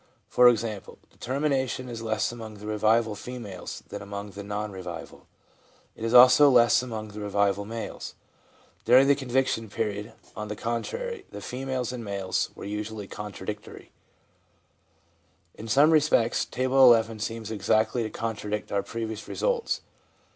For example, determination is less among the revival females than among the non revival ; it is also less among the revival males. During the conviction period. IN WHAT CONVERSION CONSISTS 95 on the contrary, the females and males were usually contradictory. In some respects Table XI. seems exactly to contra dict our previous results.